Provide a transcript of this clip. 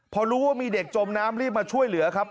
พอรู้ว่ามีเด็กจมน้ำรีบมาช่วยเหลือครับ